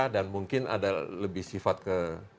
dan mungkin ada lebih sifat ke